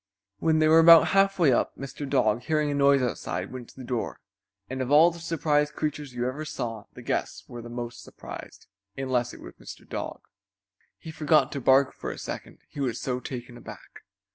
When they were about halfway up, Mr. Dog, hearing a noise outside, went to the door, and of all the surprised creatures you ever saw, the guests were the most surprised, unless it was Mr. Dog. He forgot to bark for a second, he was so taken back.